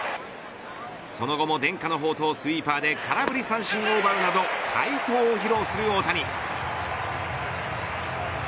その後も伝家の宝刀スイーパーで空振り三振を奪うなど快投を披露する大谷。